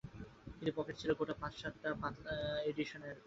কিন্তু পকেটে ছিল গোটা পাঁচ-সাত পাতলা এডিশনের নানা ভাষার কাব্যের বই।